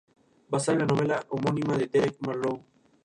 Basada en la novela homónima de Derek Marlowe.